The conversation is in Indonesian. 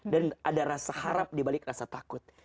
ada rasa harap dibalik rasa takut